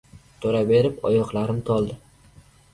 Turaberib, oyoqlarim toldi.